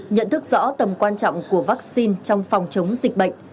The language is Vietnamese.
nhận thức rõ tầm quan trọng của vaccine trong phòng chống dịch bệnh